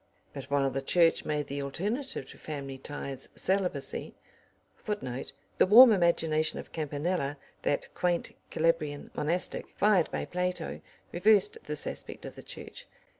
But while the Church made the alternative to family ties celibacy [Footnote: The warm imagination of Campanella, that quaint Calabrian monastic, fired by Plato, reversed this aspect of the Church.